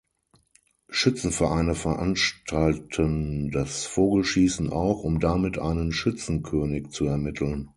Schützenvereine veranstalten das Vogelschießen auch, um damit einen "Schützenkönig" zu ermitteln.